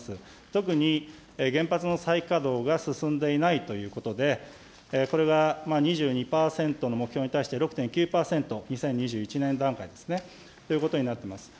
特に原発の再稼働が進んでいないということで、これが２２％の目標に対して６．９％、２０２１年段階ですね、ということになっています。